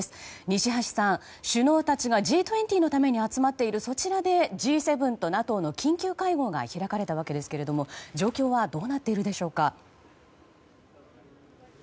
西橋さん、首脳たちがＧ２０のために集まっているそちらでＧ７とＮＡＴＯの緊急会合が開かれたわけですが状況はどうなっているでしょうか。